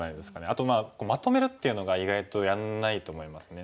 あとまとめるっていうのが意外とやんないと思いますね。